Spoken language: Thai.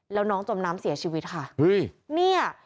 แล้วน้องจมน้ำเสียชีวิตค่ะเฮ้ยเนี่ย